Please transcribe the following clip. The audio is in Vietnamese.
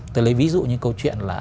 tôi lấy ví dụ như câu chuyện là